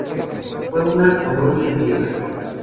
Fue una colonia griega.